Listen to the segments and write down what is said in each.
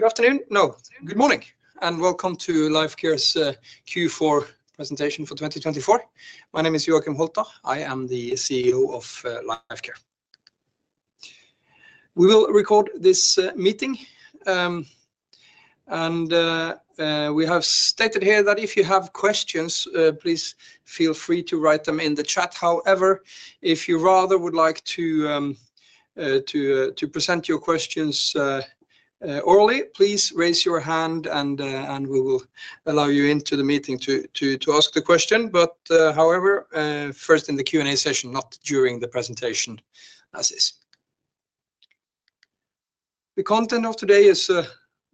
Good afternoon. No. Good morning, and welcome to Lifecare's Q4 presentation for 2024. My name is Joacim Holter. I am the CEO of Lifecare. We will record this meeting, and we have stated here that if you have questions, please feel free to write them in the chat. However, if you rather would like to present your questions orally, please raise your hand, and we will allow you into the meeting to ask the question. However, first in the Q&A session, not during the presentation, as is. The content of today is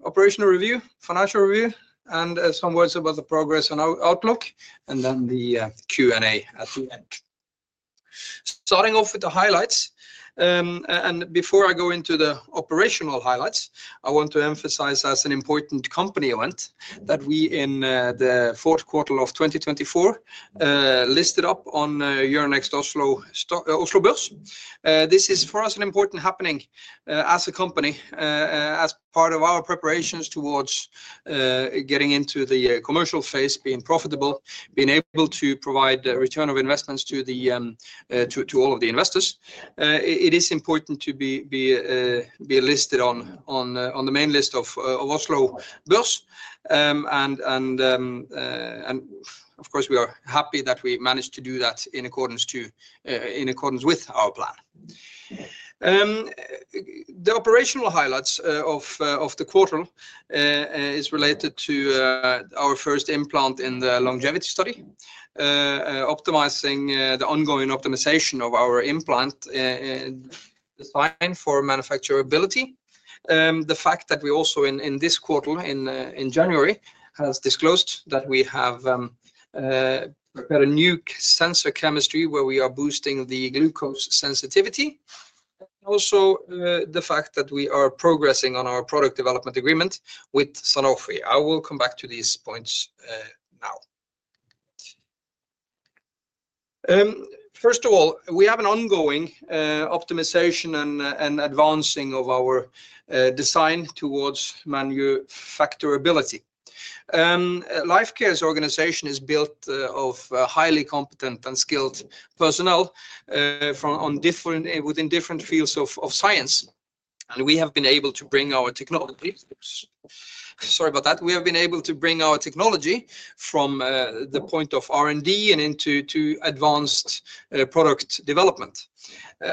operational review, financial review, and some words about the progress and outlook, and then the Q&A at the end. Starting off with the highlights. Before I go into the operational highlights, I want to emphasize, as an important company event, that we in the fourth quarter of 2024 listed up on Euronext Oslo Børs. This is, for us, an important happening as a company, as part of our preparations towards getting into the commercial phase, being profitable, being able to provide return of investments to all of the investors. It is important to be listed on the main list of Euronext Oslo Børs. Of course, we are happy that we managed to do that in accordance with our plan. The operational highlights of the quarter are related to our first implant in the longevity study, optimizing the ongoing optimization of our implant design for manufacturability. The fact that we also, in this quarter, in January, have disclosed that we have a new sensor chemistry where we are boosting the glucose sensitivity. Also, the fact that we are progressing on our product development agreement with Sanofi. I will come back to these points now. First of all, we have an ongoing optimization and advancing of our design towards manufacturability. Lifecare's organization is built of highly competent and skilled personnel within different fields of science. We have been able to bring our technology—sorry about that—we have been able to bring our technology from the point of R&D and into advanced product development.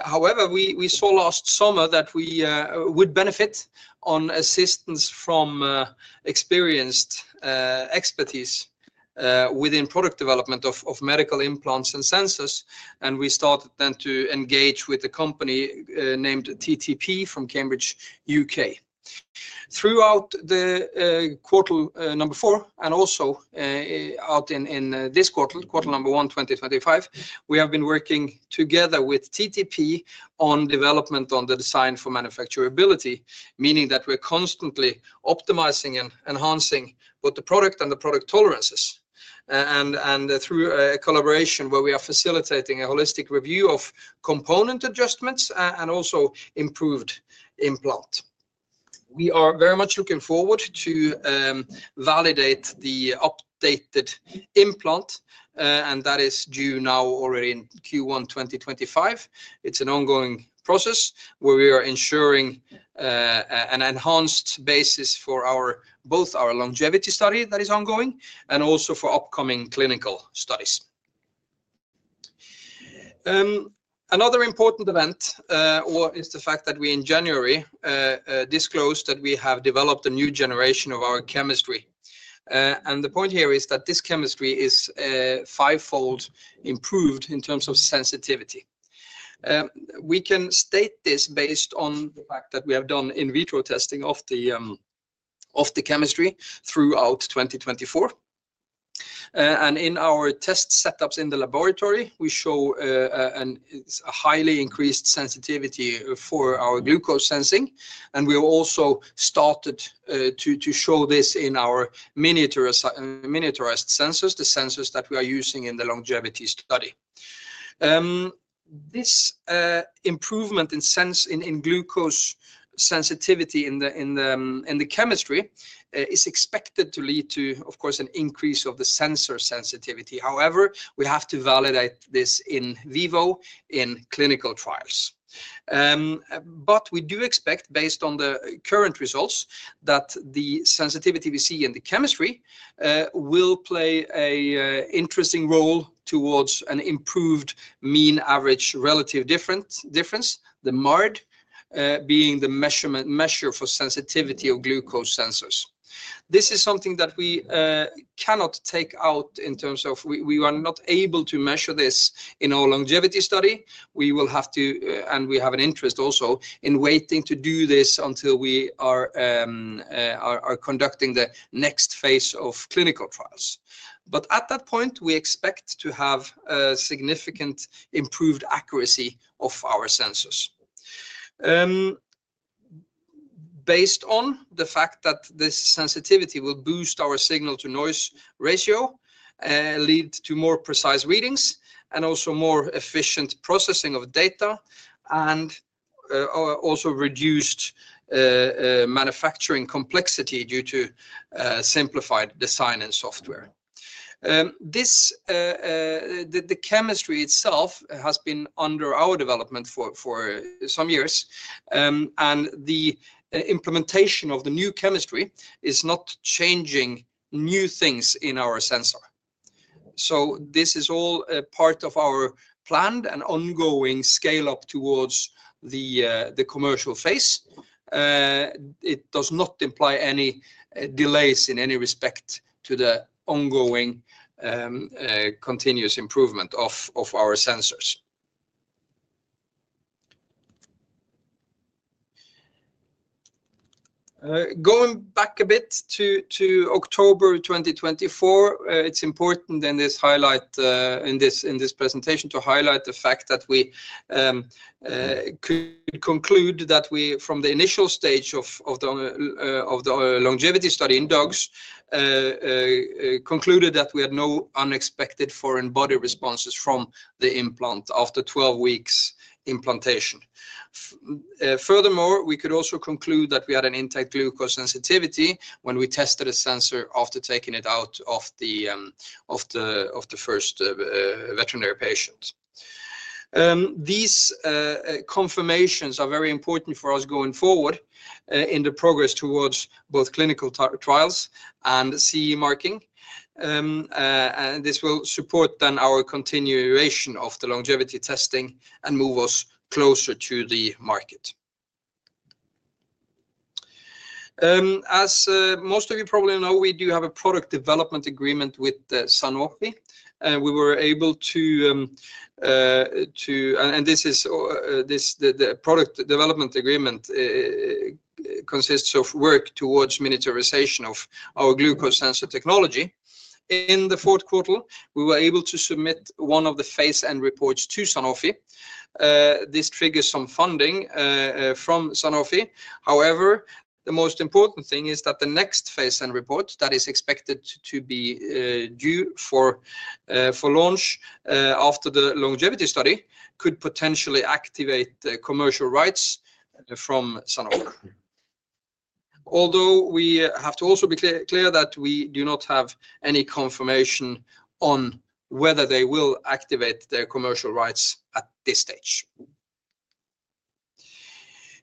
However, we saw last summer that we would benefit from assistance from experienced expertise within product development of medical implants and sensors. We started then to engage with a company named TTP from Cambridge, U.K.. Throughout quarter number four, and also out in this quarter, quarter number one, 2025, we have been working together with TTP on development on the design for manufacturability, meaning that we're constantly optimizing and enhancing both the product and the product tolerances. Through a collaboration where we are facilitating a holistic review of component adjustments and also improved implants, we are very much looking forward to validating the updated implant, and that is due now already in Q1 2025. It is an ongoing process where we are ensuring an enhanced basis for both our longevity study that is ongoing and also for upcoming clinical studies. Another important event is the fact that we, in January, disclosed that we have developed a new generation of our chemistry. The point here is that this chemistry is five-fold improved in terms of sensitivity. We can state this based on the fact that we have done in vitro testing of the chemistry throughout 2024. In our test setups in the laboratory, we show a highly increased sensitivity for our glucose sensing. We have also started to show this in our miniaturized sensors, the sensors that we are using in the longevity study. This improvement in glucose sensitivity in the chemistry is expected to lead to, of course, an increase of the sensor sensitivity. However, we have to validate this in vivo in clinical trials. We do expect, based on the current results, that the sensitivity we see in the chemistry will play an interesting role towards an improved mean average relative difference, the MARD, being the measure for sensitivity of glucose sensors. This is something that we cannot take out in terms of we are not able to measure this in our longevity study. We have to, and we have an interest also in waiting to do this until we are conducting the next phase of clinical trials. At that point, we expect to have significant improved accuracy of our sensors. Based on the fact that this sensitivity will boost our signal-to-noise ratio, lead to more precise readings, and also more efficient processing of data, and also reduce manufacturing complexity due to simplified design and software. The chemistry itself has been under our development for some years, and the implementation of the new chemistry is not changing new things in our sensor. This is all part of our planned and ongoing scale-up towards the commercial phase. It does not imply any delays in any respect to the ongoing continuous improvement of our sensors. Going back a bit to October 2024, it's important in this presentation to highlight the fact that we could conclude that we, from the initial stage of the longevity study in dogs, concluded that we had no unexpected foreign body responses from the implant after 12 weeks' implantation. Furthermore, we could also conclude that we had an intact glucose sensitivity when we tested a sensor after taking it out of the first veterinary patient. These confirmations are very important for us going forward in the progress towards both clinical trials and CE marking. This will support then our continuation of the longevity testing and move us closer to the market. As most of you probably know, we do have a product development agreement with Sanofi. We were able to—and this is the product development agreement consists of work towards miniaturization of our glucose sensor technology. In the fourth quarter, we were able to submit one of the phase end reports to Sanofi. This triggers some funding from Sanofi. However, the most important thing is that the next phase end report that is expected to be due for launch after the longevity study could potentially activate commercial rights from Sanofi. Although we have to also be clear that we do not have any confirmation on whether they will activate their commercial rights at this stage.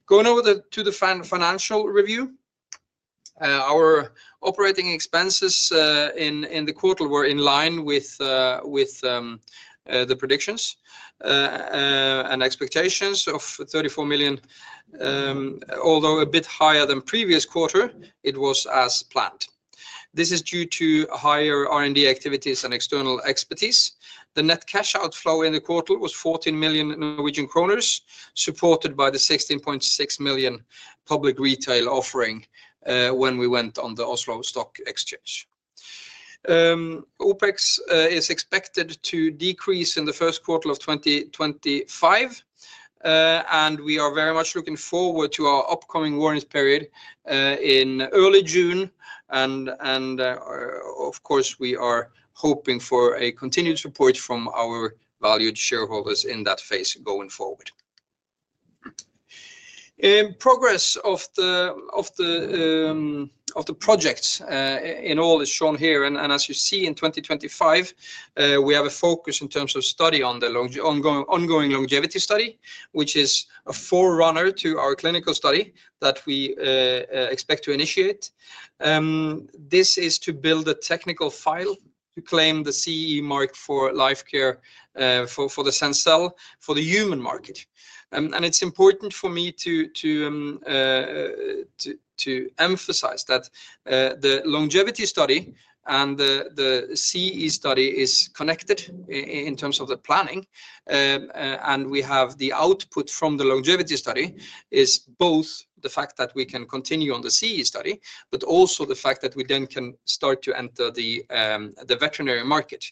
Going over to the financial review, our operating expenses in the quarter were in line with the predictions and expectations of 34 million, although a bit higher than previous quarter. It was as planned. This is due to higher R&D activities and external expertise. The net cash outflow in the quarter was 14 million Norwegian kroner, supported by the 16.6 million public retail offering when we went on the Euronext Oslo Børs. OpEx is expected to decrease in the first quarter of 2025, and we are very much looking forward to our upcoming warranty period in early June. Of course, we are hoping for continued support from our valued shareholders in that phase going forward. Progress of the projects in all is shown here. As you see, in 2025, we have a focus in terms of study on the ongoing longevity study, which is a forerunner to our clinical study that we expect to initiate. This is to build a technical file to claim the CE marking for the Sencel for the human market. It is important for me to emphasize that the longevity study and the CE study are connected in terms of the planning. We have the output from the longevity study as both the fact that we can continue on the CE study, but also the fact that we then can start to enter the veterinary market.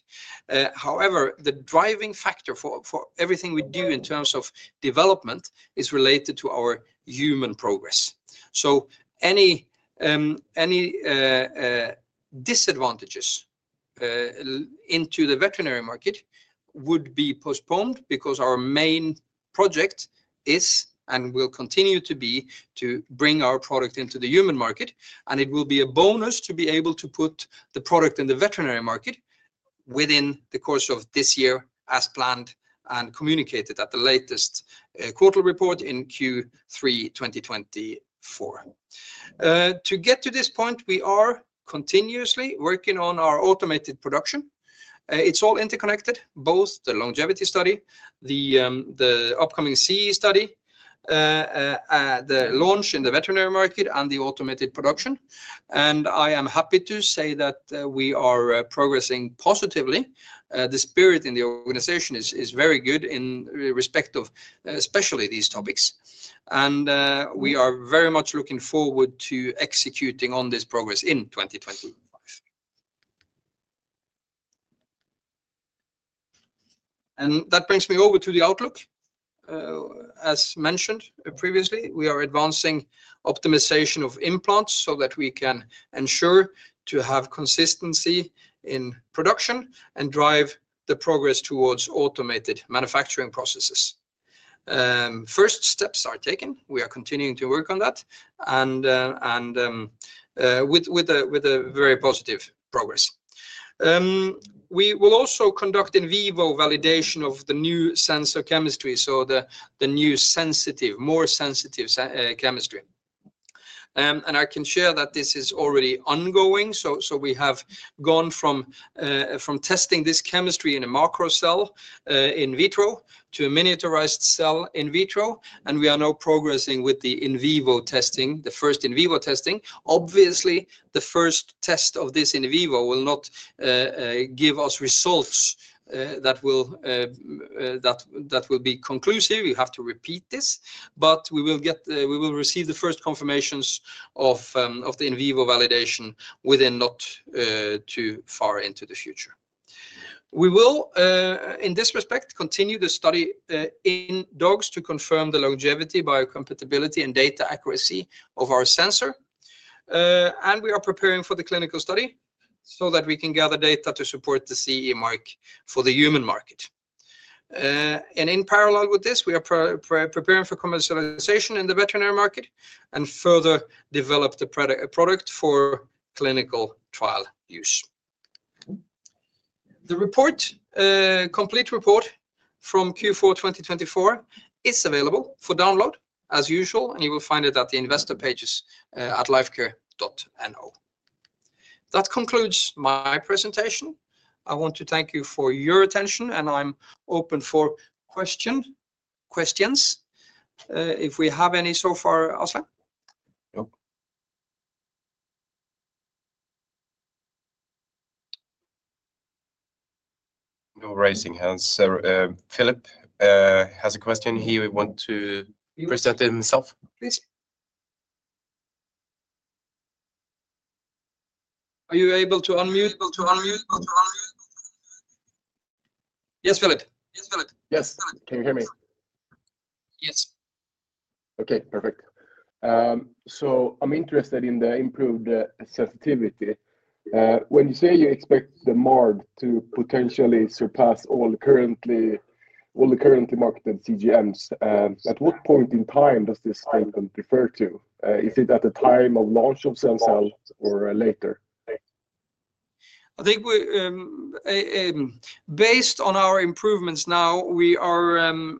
However, the driving factor for everything we do in terms of development is related to our human progress. Any disadvantages into the veterinary market would be postponed because our main project is and will continue to be to bring our product into the human market. It will be a bonus to be able to put the product in the veterinary market within the course of this year as planned and communicated at the latest quarter report in Q3 2024. To get to this point, we are continuously working on our automated production. It's all interconnected, both the longevity study, the upcoming CE study, the launch in the veterinary market, and the automated production. I am happy to say that we are progressing positively. The spirit in the organization is very good in respect of especially these topics. We are very much looking forward to executing on this progress in 2025. That brings me over to the outlook. As mentioned previously, we are advancing optimization of implants so that we can ensure to have consistency in production and drive the progress towards automated manufacturing processes. First steps are taken. We are continuing to work on that with a very positive progress. We will also conduct in vivo validation of the new sensor chemistry, so the new sensitive, more sensitive chemistry. I can share that this is already ongoing. We have gone from testing this chemistry in a macro cell in vitro to a miniaturized cell in vitro. We are now progressing with the in vivo testing, the first in vivo testing. Obviously, the first test of this in vivo will not give us results that will be conclusive. You have to repeat this. We will receive the first confirmations of the in vivo validation within not too far into the future. We will, in this respect, continue the study in dogs to confirm the longevity, biocompatibility, and data accuracy of our sensor. We are preparing for the clinical study so that we can gather data to support the CE mark for the human market. In parallel with this, we are preparing for commercialization in the veterinary market and further develop the product for clinical trial use. The complete report from Q4 2024 is available for download as usual, and you will find it at the investor pages at lifecare.no. That concludes my presentation. I want to thank you for your attention, and I'm open for questions. If we have any so far, Asle? No. No raising hands. Philip has a question here. He wants to present himself, please. Are you able to unmute? Yes, Philip. Yes. Can you hear me? Yes. Okay. Perfect. I'm interested in the improved sensitivity. When you say you expect the MARD to potentially surpass all the currently marketed CGMs, at what point in time does this statement refer to? Is it at the time of launch of Sencel or later? Based on our improvements now, we believe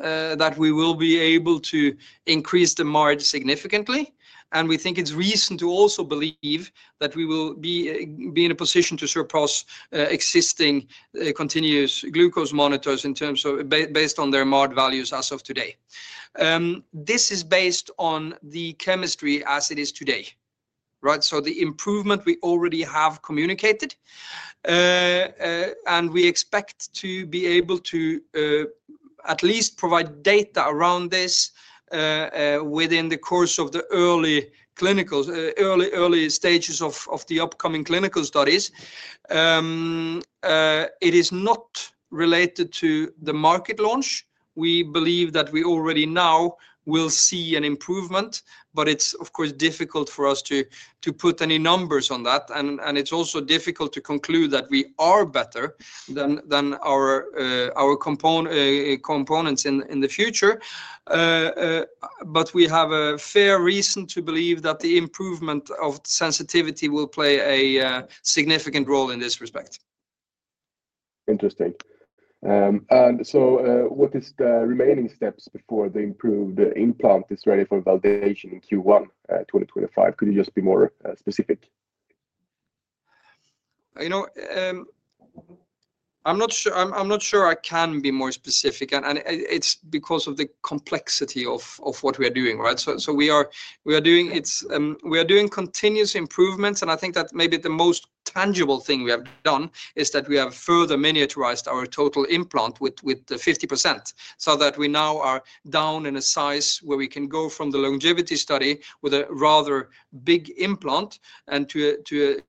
that we will be able to increase the MARD significantly. We think it's reason to also believe that we will be in a position to surpass existing continuous glucose monitors based on their MARD values as of today. This is based on the chemistry as it is today. The improvement we already have communicated, and we expect to be able to at least provide data around this within the course of the early stages of the upcoming clinical studies. It is not related to the market launch. We believe that we already now will see an improvement, but it's, of course, difficult for us to put any numbers on that. It's also difficult to conclude that we are better than our components in the future. We have a fair reason to believe that the improvement of sensitivity will play a significant role in this respect. Interesting. What is the remaining steps before the improved implant is ready for validation in Q1 2025? Could you just be more specific? I'm not sure I can be more specific, and it's because of the complexity of what we are doing. We are doing continuous improvements, and I think that maybe the most tangible thing we have done is that we have further miniaturized our total implant by 50% so that we now are down in a size where we can go from the longevity study with a rather big implant to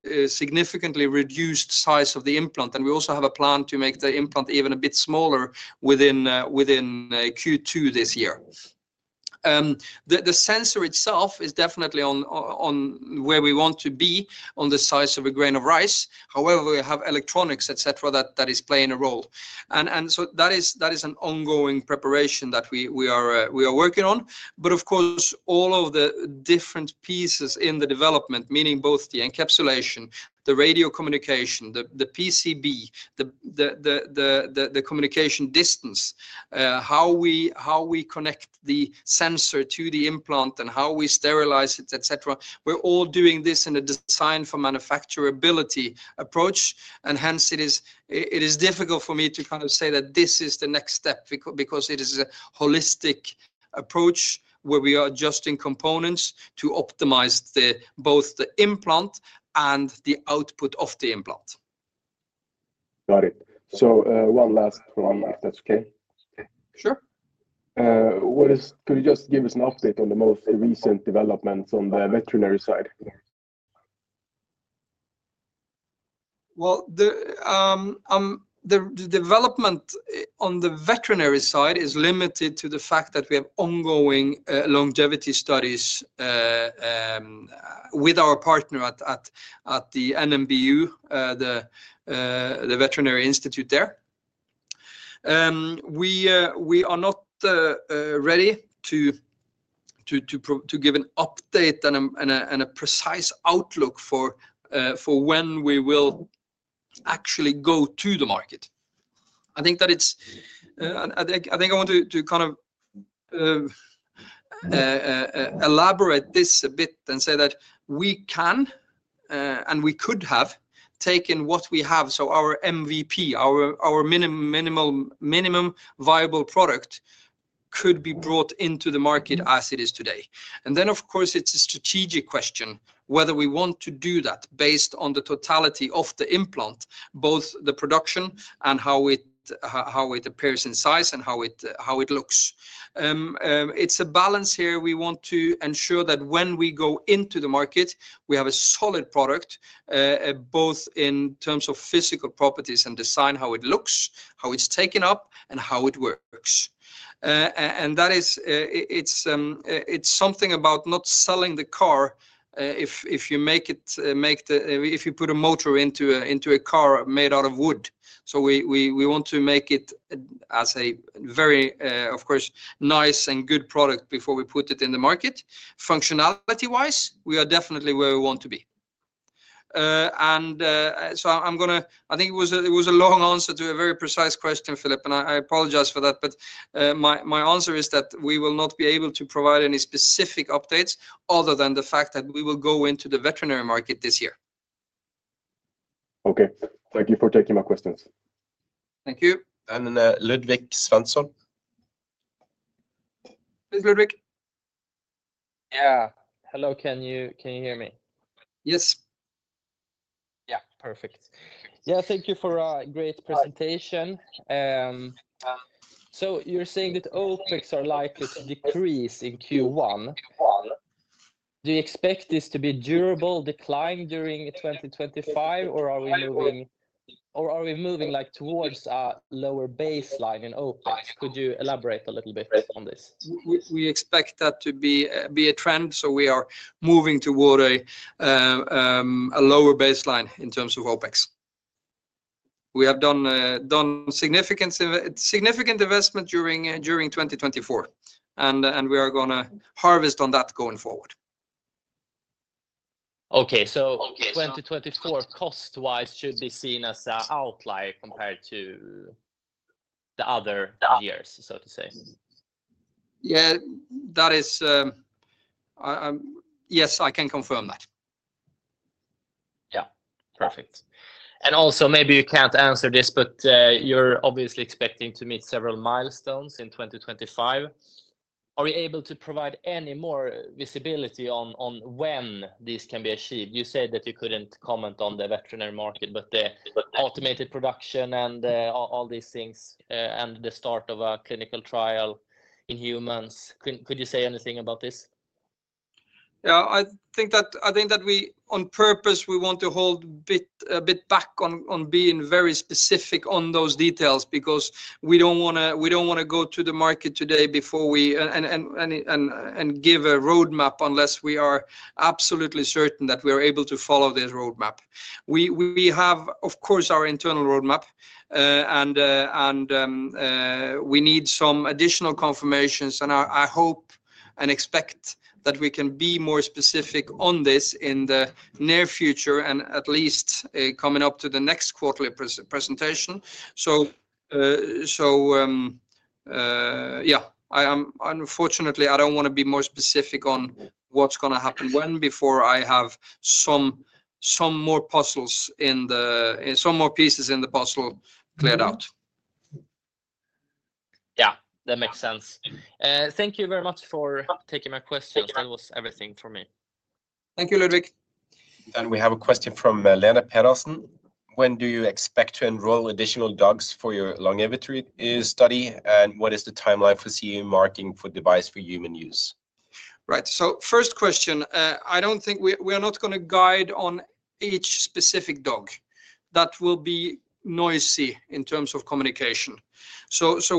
a significantly reduced size of the implant. We also have a plan to make the implant even a bit smaller within Q2 this year. The sensor itself is definitely where we want to be on the size of a grain of rice. However, we have electronics, etc., that is playing a role. That is an ongoing preparation that we are working on. Of course, all of the different pieces in the development, meaning both the encapsulation, the radio communication, the PCB, the communication distance, how we connect the sensor to the implant, and how we sterilize it, etc., we're all doing this in a design for manufacturability approach. Hence, it is difficult for me to kind of say that this is the next step because it is a holistic approach where we are adjusting components to optimize both the implant and the output of the implant. Got it. One last one, if that's okay. Sure. Could you just give us an update on the most recent developments on the veterinary side? The development on the veterinary side is limited to the fact that we have ongoing longevity studies with our partner at NMBU, the Veterinary Institute there. We are not ready to give an update and a precise outlook for when we will actually go to the market. I think I want to kind of elaborate this a bit and say that we can and we could have taken what we have, so our MVP, our minimum viable product, could be brought into the market as it is today. Of course, it's a strategic question whether we want to do that based on the totality of the implant, both the production and how it appears in size and how it looks. It's a balance here. We want to ensure that when we go into the market, we have a solid product, both in terms of physical properties and design, how it looks, how it's taken up, and how it works. It is something about not selling the car if you make it, if you put a motor into a car made out of wood. We want to make it as a very, of course, nice and good product before we put it in the market. Functionality-wise, we are definitely where we want to be. I think it was a long answer to a very precise question, Philip, and I apologize for that. My answer is that we will not be able to provide any specific updates other than the fact that we will go into the veterinary market this year. Okay. Thank you for taking my questions. Thank you. Ludvig Svensson. Please, Ludvig. Yeah. Hello. Can you hear me? Yes. Yeah. Perfect. Yeah. Thank you for a great presentation. You are saying that OpEx are likely to decrease in Q1. Do you expect this to be a durable decline during 2025, or are we moving towards a lower baseline in OpEx? Could you elaborate a little bit on this? We expect that to be a trend. We are moving toward a lower baseline in terms of OPEX. We have done significant investment during 2024, and we are going to harvest on that going forward. Okay. 2024, cost-wise, should be seen as an outlier compared to the other years, so to say. Yeah. Yes, I can confirm that. Yeah. Perfect. Also, maybe you can't answer this, but you're obviously expecting to meet several milestones in 2025. Are you able to provide any more visibility on when this can be achieved? You said that you couldn't comment on the veterinary market, but the automated production and all these things and the start of a clinical trial in humans. Could you say anything about this? Yeah. I think that we, on purpose, want to hold a bit back on being very specific on those details because we do not want to go to the market today and give a roadmap unless we are absolutely certain that we are able to follow this roadmap. We have, of course, our internal roadmap, and we need some additional confirmations. I hope and expect that we can be more specific on this in the near future, at least coming up to the next quarterly presentation. Yeah, unfortunately, I do not want to be more specific on what is going to happen when before I have some more pieces in the puzzle cleared out. Yeah. That makes sense. Thank you very much for taking my questions. That was everything for me. Thank you, Ludvig. We have a question from Lena Pedersen. When do you expect to enroll additional dogs for your longevity study, and what is the timeline for CE marking for device for human use? Right. First question, I do not think we are going to guide on each specific dog. That will be noisy in terms of communication.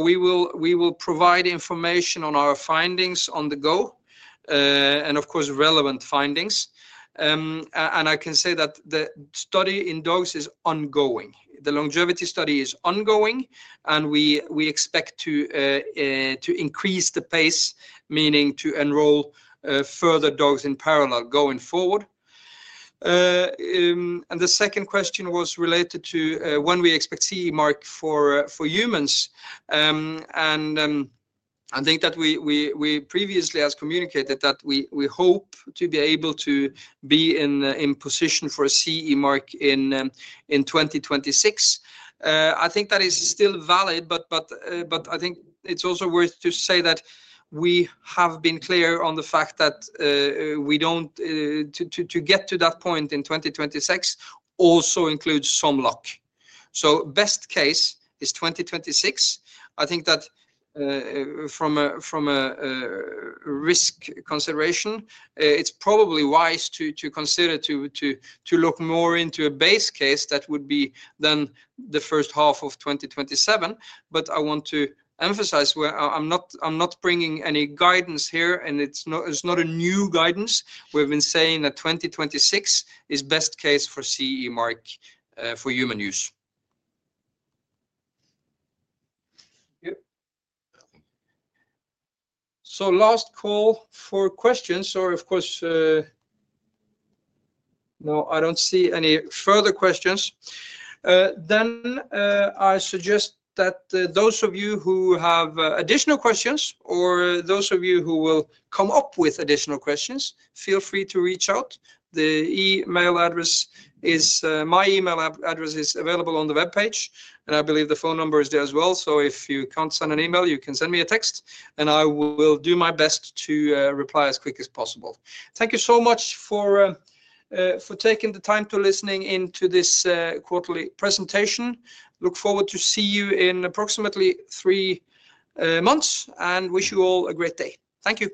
We will provide information on our findings on the go and, of course, relevant findings. I can say that the study in dogs is ongoing. The longevity study is ongoing, and we expect to increase the pace, meaning to enroll further dogs in parallel going forward. The second question was related to when we expect CE mark for humans. I think that we previously have communicated that we hope to be able to be in position for a CE mark in 2026. I think that is still valid, but I think it is also worth to say that we have been clear on the fact that to get to that point in 2026 also includes some luck. Best case is 2026. I think that from a risk consideration, it's probably wise to consider to look more into a base case that would be then the first half of 2027. I want to emphasize where I'm not bringing any guidance here, and it's not a new guidance. We've been saying that 2026 is best case for CE mark for human use. Last call for questions. Of course, no, I don't see any further questions. I suggest that those of you who have additional questions or those of you who will come up with additional questions, feel free to reach out. My email address is available on the web page, and I believe the phone number is there as well. If you can't send an email, you can send me a text, and I will do my best to reply as quick as possible. Thank you so much for taking the time to listen into this quarterly presentation. Look forward to seeing you in approximately three months and wish you all a great day. Thank you.